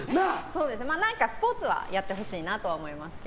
何かスポーツはやってほしいなとは思いますけど。